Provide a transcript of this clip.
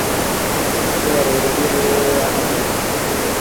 mpya wa rekodi ya kuvunja ya Amazon